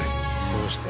どうして？